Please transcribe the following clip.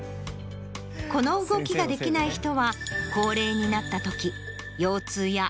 この動きができない人は。